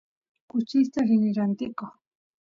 kuchista rini rantikoq